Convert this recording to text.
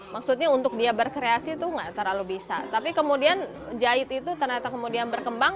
maksudnya untuk dia berkreasi itu nggak terlalu bisa tapi kemudian jahit itu ternyata kemudian berkembang